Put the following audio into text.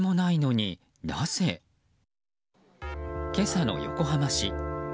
今朝の横浜市。